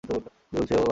কি বলছে ও, বাকে?